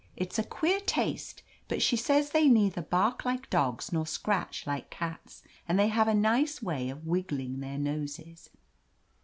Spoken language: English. It's a queer taste, but she says they neither bark like dogs nor scratch like cats, and they have a nice way of wiggling their noses.